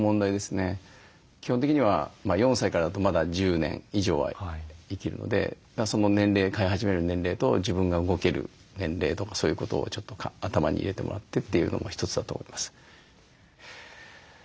基本的には４歳からだとまだ１０年以上は生きるのでその年齢飼い始める年齢と自分が動ける年齢とかそういうことをちょっと頭に入れてもらってというのも一つだと思います。